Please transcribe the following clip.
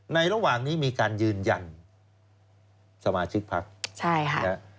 ระหว่างนี้มีการยืนยันสมาชิกพักใช่ค่ะนะฮะ